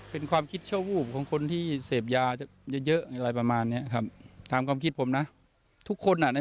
เป็นความคิดชั่วโหลุของคนที่เศษเป็นยาเยอะอะไรประมาณแครับถามความคิดผมนะทุกคนน่ะใน